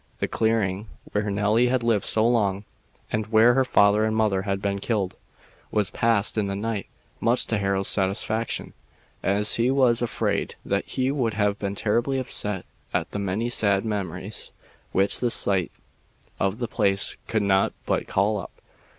The clearing where Nelly had lived so long, and where her father and mother had been killed, was passed in the night, much to Harold's satisfaction, as he was afraid that she would have been terribly upset at the many sad memories which the sight of the place could not but call up.